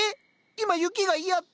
今雪が嫌って。